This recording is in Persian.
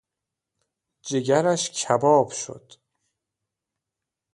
جگرش کباب شد